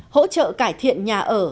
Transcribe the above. hỗ trợ cải thiện nhà ở